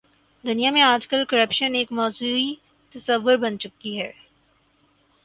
دنیا میں آج کل کرپشن ایک موضوعی تصور بن چکی ہے۔